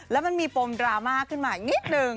แล้วมันมีปมดราม่าขึ้นมาอีกนิดนึง